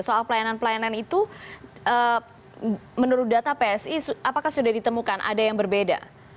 soal pelayanan pelayanan itu menurut data psi apakah sudah ditemukan ada yang berbeda